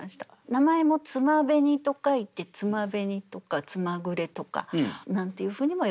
名前も「爪紅」と書いて「つまべに」とか「つまぐれ」とかなんていうふうにも呼ばれています。